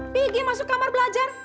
pergi masuk kamar belajar